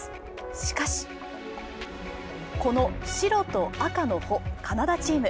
しかし、この白と赤の帆、カナダチーム。